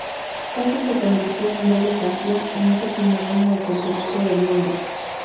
Casi se convirtió en doble campeón en ese primer año del Campeonato del Mundo.